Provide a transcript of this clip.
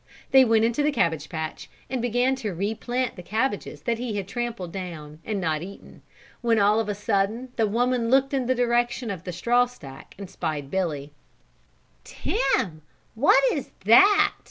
They went to the cabbage patch and began to replant the cabbages that he had trampled down and not eaten, when all of a sudden the woman looked in the direction of the straw stack and spied Billy. "Begorry, Tim, what is that?